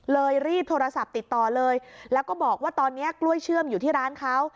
รีบโทรศัพท์ติดต่อเลยแล้วก็บอกว่าตอนนี้กล้วยเชื่อมอยู่ที่ร้านเขา